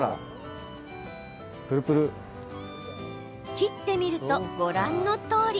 切ってみると、ご覧のとおり。